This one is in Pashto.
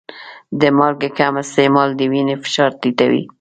د مالګې کم استعمال د وینې فشار ټیټوي.